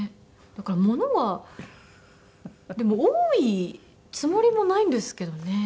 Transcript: だからものはでも多いつもりもないんですけどね。